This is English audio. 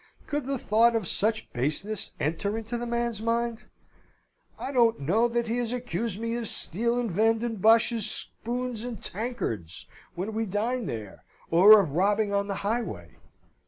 Could the thought of such baseness enter into the man's mind? I don't know that he has accused me of stealing Van den Bosch's spoons and tankards when we dine there, or of robbing on the highway.